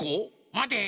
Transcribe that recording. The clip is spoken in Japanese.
まて！